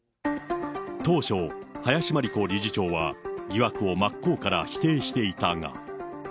当初、林真理子理事長は疑惑を真っ向から否定していたが。